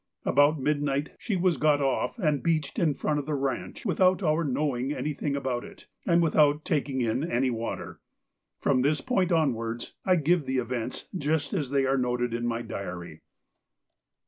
About midnight she was got off and beached in front of the ranche without our knowing anything about it, and without taking in any water. From this point onwards I give the events just as they are noted in my diary.